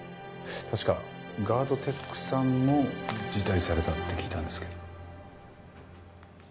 確かガードテックさんも辞退されたって聞いたんですけど。